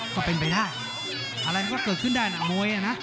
ก็เป็นไปได้อะไรมันก็เกิดขึ้นได้นะมวยนะ